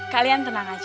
kalian tenang aja